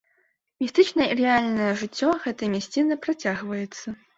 Містычнае і рэальнае жыццё гэтай мясціны працягваецца.